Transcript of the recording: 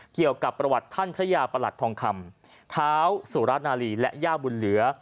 เกี่ยวกับประวัติท่านพระยาประหลัดทองคำท้าวสุรนาลีและย่าบุญเหลือ